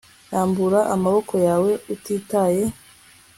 rambura amaboko yawe utitaye